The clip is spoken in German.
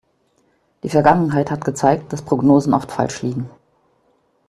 Die Vergangenheit hat gezeigt, dass Prognosen oft falsch liegen.